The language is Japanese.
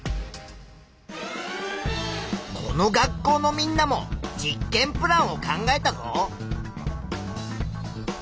この学校のみんなも実験プランを考えたぞ。